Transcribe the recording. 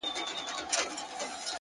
سکون د متوازن ژوند نښه ده!